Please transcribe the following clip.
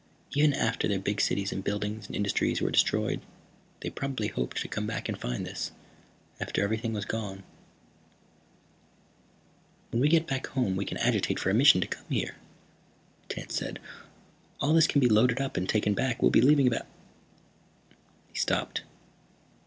Even after their big cities and buildings and industries were destroyed they probably hoped to come back and find this. After everything else was gone." "When we get back home we can agitate for a mission to come here," Tance said. "All this can be loaded up and taken back. We'll be leaving about " He stopped.